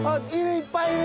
いっぱいいる！